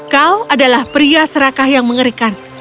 kau adalah pria serakah yang mengerikan